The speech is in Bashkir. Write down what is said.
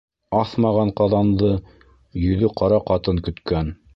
Аҫмаған ҡаҙанды йөҙө ҡара ҡатын көткән.